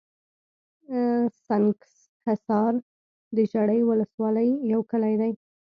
سنګحصار دژړۍ ولسوالۍ يٶ کلى دئ